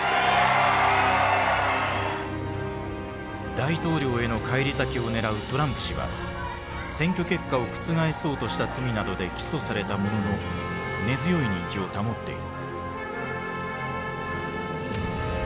大統領への返り咲きを狙うトランプ氏は選挙結果を覆そうとした罪などで起訴されたものの根強い人気を保っている。